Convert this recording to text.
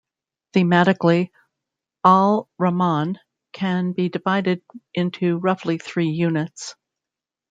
Thematically, Al-Rahman can be divided into roughly three units.